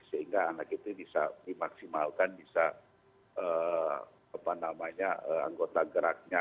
sehingga anak itu bisa dimaksimalkan bisa apa namanya anggota gerakan